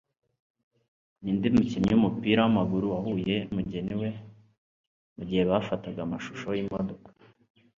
Ninde mukinnyi wumupira wamaguru wahuye numugeni we mugihe bafataga amashusho yimodoka?